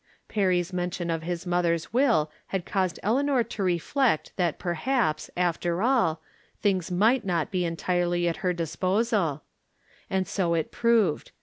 Perry's mention of his mother's ■will had caused Eleanor to reflect that perhaps, after all, things might not be entirely at her disposal ; and so it proved.